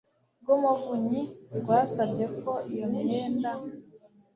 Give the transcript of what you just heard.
rw umuvunyi rwasabye ko iyo myenda